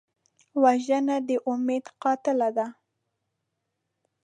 وژنه د امید قاتله ده